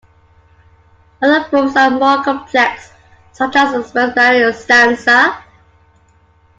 Other forms are more complex, such as the Spenserian stanza.